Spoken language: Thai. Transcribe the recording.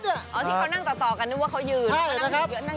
ที่เขานั่งต่อกันนึกว่าเขายืน